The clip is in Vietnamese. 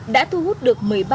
đã thu hút được